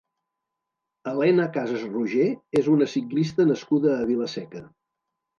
Helena Casas Roigé és una ciclista nascuda a Vila-seca.